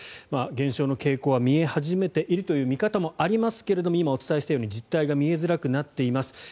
減少の傾向は見え始めているという見方もありますが今、お伝えしたように実態が見えづらくなっています。